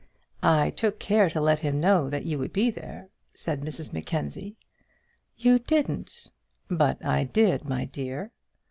"I took care to let him know that you would be there;" said Mrs Mackenzie. "You didn't?" "But I did, my dear."